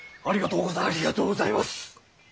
ありがとうございます！